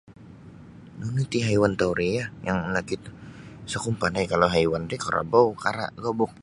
Nunu ti haiwan tauri um yang nakito isa ku mapandai kalau haiwan ti karabau kara' gobuk